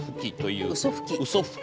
うそふき。